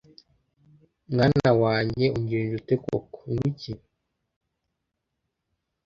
Mwana wange ungenje ute koko? Ngo iki?